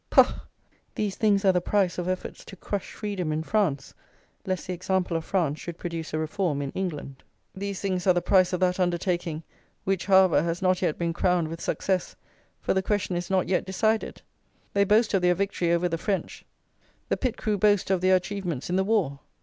Poh! These things are the price of efforts to crush freedom in France, lest the example of France should produce a reform in England. These things are the price of that undertaking; which, however, has not yet been crowned with success; for the question is not yet decided. They boast of their victory over the French. The Pitt crew boast of their achievements in the war.